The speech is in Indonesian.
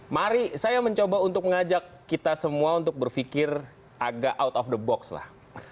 mari saya mencoba untuk mengajak kita semua untuk berpikir agak out of the box lah